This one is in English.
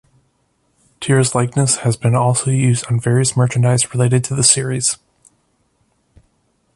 Tira's likeness has been also used on various merchandise related to the series.